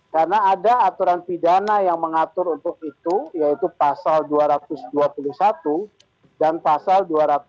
karena ada aturan pidana yang mengatur untuk itu yaitu pasal dua ratus dua puluh satu dan pasal dua ratus tiga puluh tiga